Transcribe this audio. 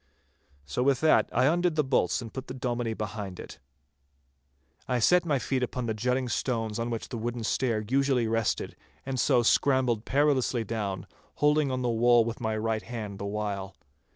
So with that I undid the bolts and put the Dominie behind it. I set my feet upon the jutting stones on which the wooden stair usually rested, and so scrambled perilously down, holding on to the wall with my right hand the while.